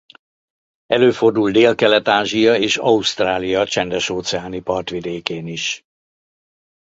Előfordul Délkelet-Ázsia és Ausztrália csendes-óceáni partvidékén is.